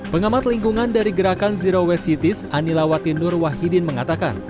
pengamat lingkungan dari gerakan zero waste cities anilawati nur wahidin mengatakan